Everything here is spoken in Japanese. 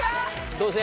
どうせ。